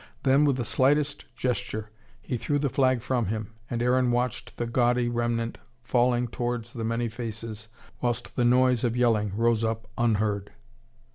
Then with the slightest gesture he threw the flag from him, and Aaron watched the gaudy remnant falling towards the many faces, whilst the noise of yelling rose up unheard.